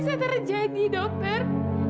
kenapa bisa terjadi dokter